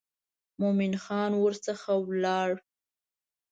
مومن خان ورڅخه ولاړ.